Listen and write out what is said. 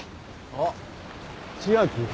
あっ千明。